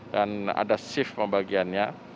dan ada shift pembagiannya